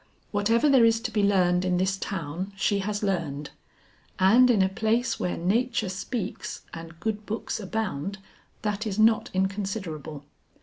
Whatever there is to be learned in this town she has learned. And in a place where nature speaks and good books abound that is not inconsiderable.